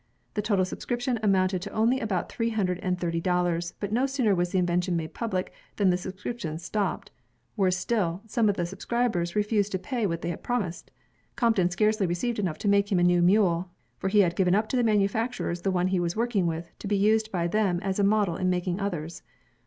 The total subscription amounted to only about three hundred and thirty dollars, but no sooner was the invention made public than the subscrip tions stopped. Worse still, some of the subscribers re fused to pay what they had promised. Crompton scarcely received enough to make him a new mule, for he had given up to the manufacturers the one he was working with, to be used by them as a model in making others.